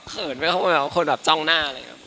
เหมือนกับคนจ้องหน้า